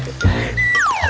pak d pak d pak d